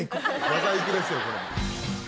技育ですよこれ。